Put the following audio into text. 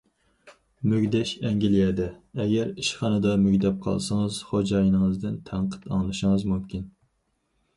مۈگدەش ئەنگلىيەدە، ئەگەر ئىشخانىدا مۈگدەپ قالسىڭىز خوجايىنىڭىزدىن تەنقىد ئاڭلىشىڭىز مۇمكىن.